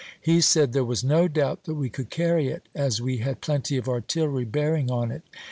He said there was no doubt that we could carry it, as we had plenty of artillery bearing on it.